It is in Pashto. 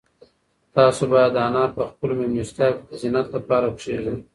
تاسو باید انار په خپلو مېلمستیاوو کې د زینت لپاره کېږدئ.